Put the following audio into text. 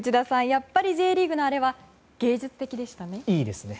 やっぱりＪリーグのあれは芸術的でしたね。